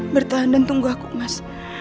bertahan dan tunggu aku mas